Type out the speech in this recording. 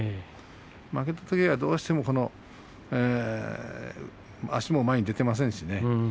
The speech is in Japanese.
負けたときはどうしても足も前に出ていませんしね。